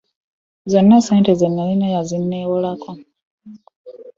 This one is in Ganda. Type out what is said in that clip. Zomna sente zenalina yazinewolako .